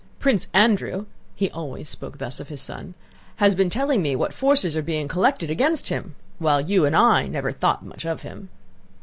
Prince Andrew" (he always spoke thus of his son) "has been telling me what forces are being collected against him! While you and I never thought much of him."